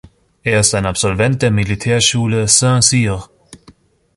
Er ist ein Absolvent der Militärschule Saint-Cyr.